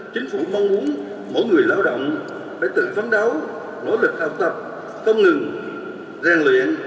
chính phủ mong muốn mỗi người lao động phải tự phấn đấu nỗ lực học tập công ngừng gian luyện